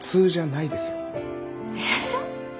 えっ？